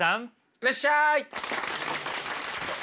いらっしゃい！